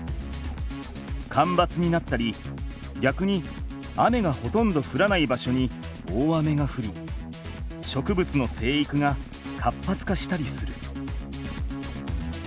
かんばつになったりぎゃくに雨がほとんどふらない場所に大雨がふり植物の生育が活発化したりする。